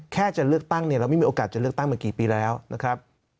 จะเลือกตั้งเนี่ยเราไม่มีโอกาสจะเลือกตั้งมากี่ปีแล้วนะครับ